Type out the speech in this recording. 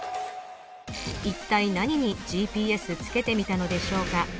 いったい何にＧＰＳつけてみたのでしょうか